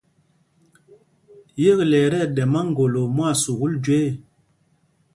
Yekle ɛ tí ɛjúl máŋgolo mwán sukûl jüe ɛ.